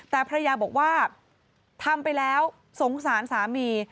แต่ภรรยาบอกว่าทำไปแล้วสงสารสามี